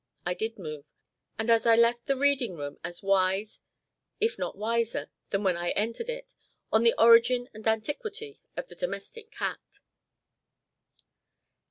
I did move. And I left the reading room as wise if not wiser than when I entered it, on the origin and antiquity of the domestic cat.